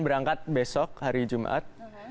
berangkat besok hari jumat